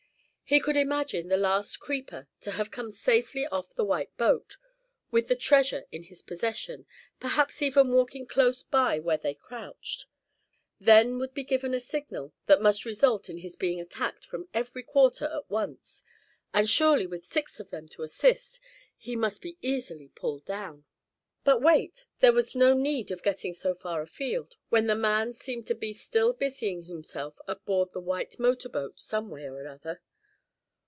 He could imagine the last creeper to have come safely off the white boat, with the treasure in his possession, perhaps even walking close by where they crouched; then would be given a signal that must result in his being attacked from every quarter at once; and surely with six of them to assist, he must be easily pulled down. But wait, there was no need of getting so far afield, when the man seemed to be still busying himself aboard the white motor boat some way or other.